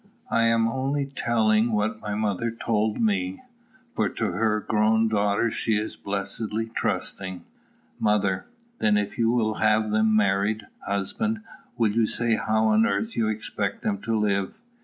I am only telling what my mother told me; for to her grown daughters she is blessedly trusting.] Mother. Then if you will have them married, husband, will you say how on earth you expect them to live?